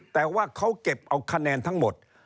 แต่ว่าเขาเก็บเอาคะแนนทั้งหมด